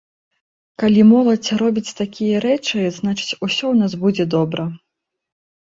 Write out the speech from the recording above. Калі моладзь робіць такія рэчы, значыць, усё ў нас будзе добра.